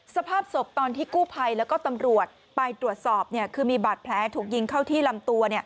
สภาพศพตอนที่กู้ภัยแล้วก็ตำรวจไปตรวจสอบคือมีบาดแผลถูกยิงเข้าที่ลำตัว